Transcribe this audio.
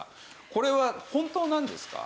これは本当なんですか？